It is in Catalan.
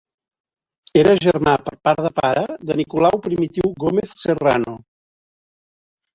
Era germà per part de pare de Nicolau Primitiu Gómez Serrano.